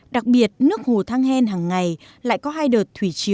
đặc biệt nước hồ thang hen hằng ngày lại có hai đợt thủy chiều